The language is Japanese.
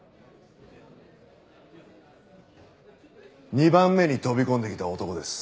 ２番目に飛び込んできた男です。